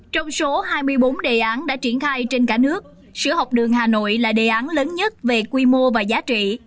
trong số hai mươi bốn đề án đã triển khai trên cả nước sửa học đường hà nội là đề án lớn nhất về quy mô và giá trị